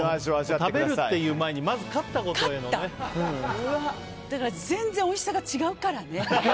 食べるっていう前に全然おいしさが違うからね。